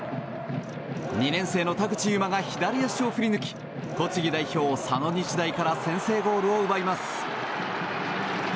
２年生の田口裕真が左足を振り抜き栃木代表、佐野日大から先制ゴールを奪います。